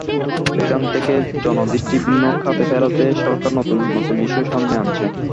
এখান থেকে জনদৃষ্টি ভিন্ন খাতে ফেরাতে সরকার নতুন নতুন ইস্যু সামনে আনছে।